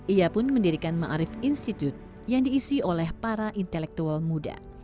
ia pun mendirikan ma'arif institute yang diisi oleh para intelektual muda